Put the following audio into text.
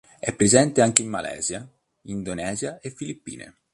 È presente anche in Malaysia, Indonesia e Filippine.